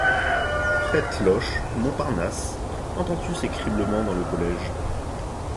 Prête l’oche, Montparnasse, entends-tu ces criblements dans le collége?